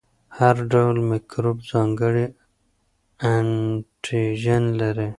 هر ډول میکروب ځانګړی انټيجن لري.